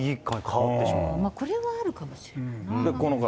これはあるかもしれないな。